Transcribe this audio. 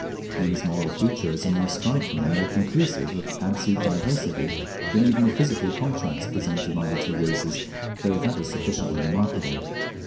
These moral features are more striking and more conclusive of absolute diversity than oven the physical contrast presented by the two races, though that is sufficiently remarkable.